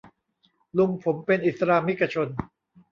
ลุงผมเป็นอิสลามิกชน